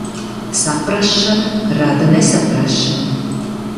Saprašana rada nesaprašanu.